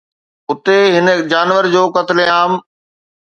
اتي هن جانور جو قتل عام